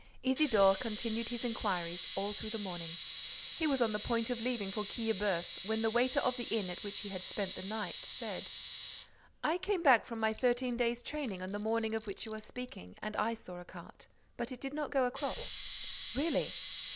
Isidore continued his inquiries all through the morning. He was on the point of leaving for Quillebeuf, when the waiter of the inn at which he had spent the night said: "I came back from my thirteen days' training on the morning of which you are speaking and I saw a cart, but it did not go across." "Really?"